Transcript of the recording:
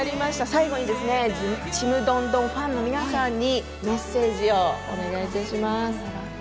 最後に「ちむどんどん」ファンの皆さんにメッセージをお願いいたします。